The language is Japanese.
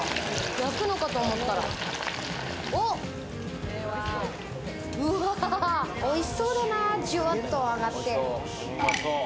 焼くのかと思ったら、おいしそうだな、ジュワっと揚がって。